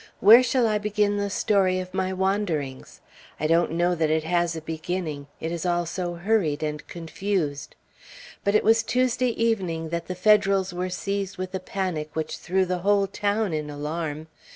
Where shall I begin the story of my wanderings? I don't know that it has a beginning, it is all so hurried and confused. But it was Tuesday evening that the Federals were seized with a panic which threw the whole town in alarm.